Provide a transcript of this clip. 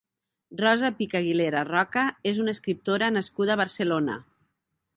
Rosa Pich-Aguilera Roca és una escriptora nascuda a Barcelona.